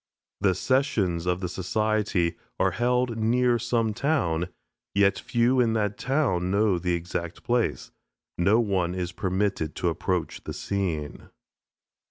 The sessions of the society are held near some town, yet few in that town know the exact place. No one is permitted to approach the scene.